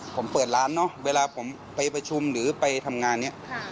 ผมเปิดร้านเนอะเวลาผมไปประชุมหรือไปทำงานเนี่ย